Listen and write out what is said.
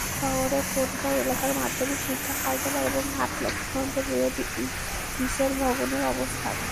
শহরের কোটগাঁও এলাকায় মাধ্যমিক শিক্ষা কার্যালয় এবং হাটলক্ষ্মীগঞ্জে রেড ক্রিসেন্ট ভবনের অবস্থান।